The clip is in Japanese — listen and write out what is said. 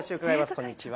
こんにちは。